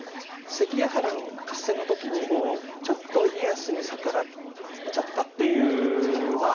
関ヶ原の合戦の時にちょっと家康に逆らっちゃったっていうまあ